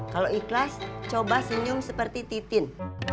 kalau ikhlas coba senyum seperti titin